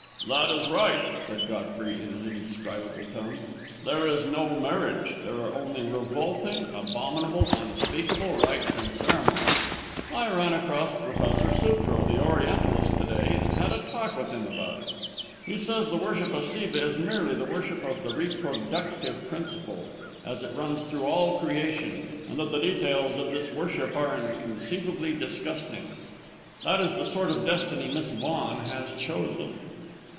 "That is right," said Godfrey, in an indescribable tone, "there is no marriage there are only revolting, abominable, unspeakable rites and ceremonies. I ran across Professor Sutro, the Orientalist, to day, and had a talk with him about it. He says the worship of Siva is merely the worship of the reproductive principle, as it runs through all creation, and that the details of this worship are inconceivably disgusting. That is the sort of destiny Miss Vaughan has chosen."